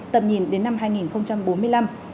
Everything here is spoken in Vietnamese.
tầm nhìn đến năm hai nghìn bốn mươi năm